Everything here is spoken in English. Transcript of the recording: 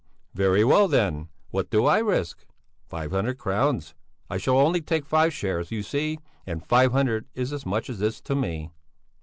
Very well then! What do I risk? Five hundred crowns! I shall only take five shares, you see! And five hundred is as much as this to me!"